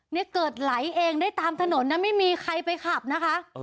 เนี่ยเกิดไหลเองได้ตามถนนนะไม่มีใครไปขับนะคะ